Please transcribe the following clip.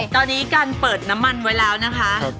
ตอนนี้การเปิดน้ำมันไว้แล้วนะคะ